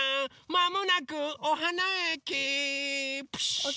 まもなくおはなえき。